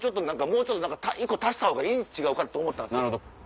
もうちょっと１個足したほうがいいん違うかって思ったんです。